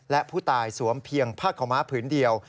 และผู้ตายสวมเพียงผ้าขาวม้าผืนเดียว